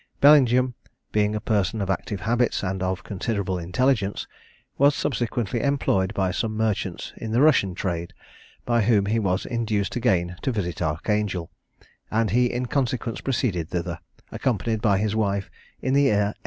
Bellingham, being a person of active habits and of considerable intelligence, was subsequently employed by some merchants in the Russian trade, by whom he was induced again to visit Archangel, and he in consequence proceeded thither, accompanied by his wife, in the year 1804.